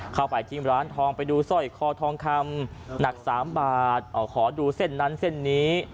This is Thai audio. เข้าไปที่ร้านทองไปดูสร้อยคอทองคำหนัก๓บาทขอดูเส้นนั้นเส้นนี้